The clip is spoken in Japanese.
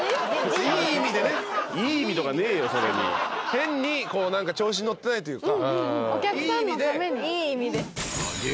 変に調子乗ってないというか。